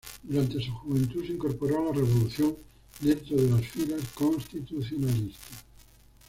Durante su juventud se incorporó a la Revolución, dentro de las filas constitucionalistas.